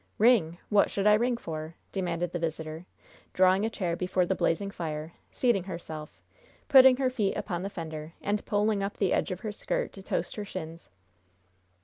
"Ring? What should I ring for?" demanded the visitor, drawing a chair before the blazing fire, seating herself, putting her feet upon the fender, and pulling up the edge of her skirt to toast her shins.